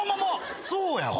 そうやわ。